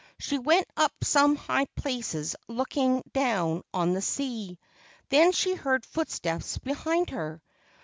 She went up some high places looking down on the sea. Then she heard footsteps behind her.